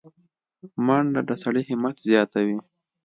منډه د سړي همت زیاتوي